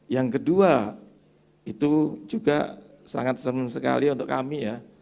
yang kedua itu juga sangat serem sekali untuk kami ya